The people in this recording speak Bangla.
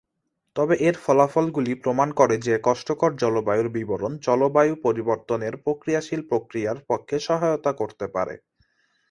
তবে এর ফলাফলগুলি প্রমাণ করে যে কষ্টকর জলবায়ুর বিবরণ জলবায়ু পরিবর্তনের প্রতিক্রিয়াশীল প্রতিক্রিয়ার পক্ষে সহায়তা করতে পারে।